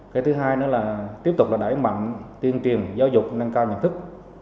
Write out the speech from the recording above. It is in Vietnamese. cái thứ hai nữa là tiếp tục đẩy mạnh tiên triền giáo dục nâng cao nhận thức